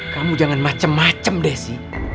kamu jangan macem macem desy